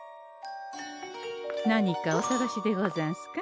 何かお探しでござんすか？